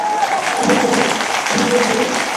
অনেক বদলে গেছে।